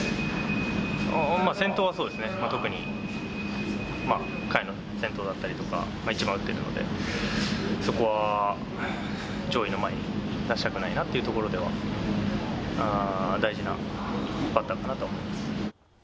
先頭はそうですね、特に回の先頭だったりとか、そこは打ってるので、そこは上位の前に出したくないなというところでは、大事なバッターかなとは思います。